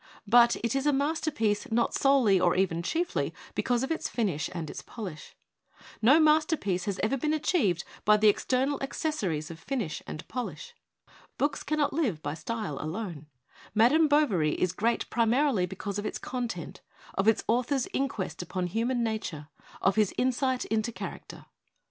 But it is a masterpiece not solely or even rlnYlly because of h and its ix)lish. No m, has ever been achieved by the external ac cessories of finish and polish. Books cannot live 211 ON WORKING TOO MUCH AND WORKING TOO FAST by style alone. ' Madame Bovary' is great pri marily because of its content, of its author's in quest upon human nature, of his insight into character.